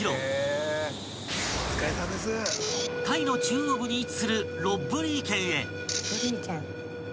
［タイの中央部に位置するロッブリー県へ］